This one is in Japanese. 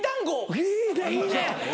いいねいいね。